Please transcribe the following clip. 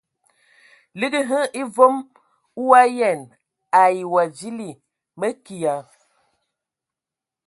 Liigi hm e vom o ayǝan ai wa vili. Mǝ ke ya !